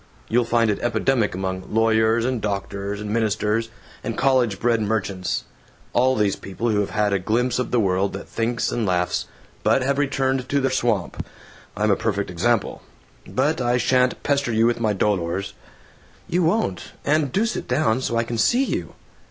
You'll find it epidemic among lawyers and doctors and ministers and college bred merchants all these people who have had a glimpse of the world that thinks and laughs, but have returned to their swamp. I'm a perfect example. But I sha'n't pester you with my dolors." "You won't. And do sit down, so I can see you."